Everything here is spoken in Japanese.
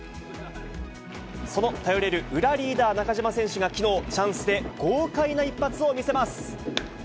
その頼れる裏リーダー、中島選手がきのう、チャンスで豪快な一発を見せます。